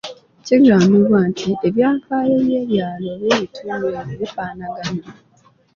Kigambibwa nti ebyafaayo by’ebyalo oba ebitundu ebyo bifaanagana.